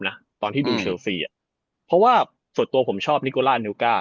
นะตอนที่ดูเชลซีอ่ะเพราะว่าส่วนตัวผมชอบนิโกล่านิวก้า